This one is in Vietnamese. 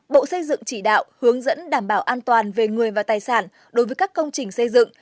bộ xây dựng chỉ đạo hướng dẫn đảm bảo an toàn về người và tài sản đối với các công trình xây dựng